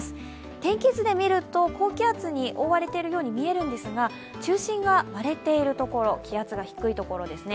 天気図で見ると、高気圧に覆われているように見えるんですが中心が割れているところ、気圧が低いところですね。